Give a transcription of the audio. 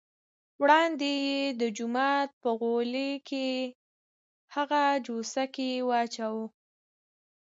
وړاندې یې د جومات په غولي کې هغه جوسه کې واچوه.